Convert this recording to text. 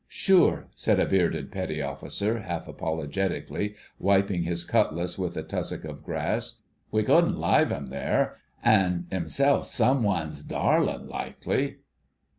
"Sure," said a bearded Petty Officer, half apologetically, wiping his cutlass with a tussock of grass, "we couldn't lave him there—an' himself somewan's darlin', likely..."